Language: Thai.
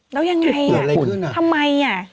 แล้วยังไงอ่ะคุณทำไมอ่ะ